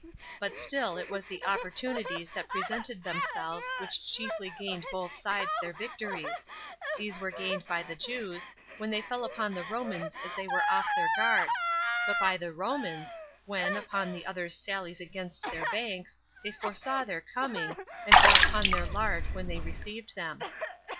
But still it was the opportunities that presented themselves which chiefly gained both sides their victories; these were gained by the Jews, when they fell upon the Romans as they were off their guard; but by the Romans, when, upon the others' sallies against their banks, they foresaw their coming, and were upon their guard when they received them.